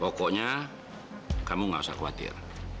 pokoknya kamu gak usah khawatir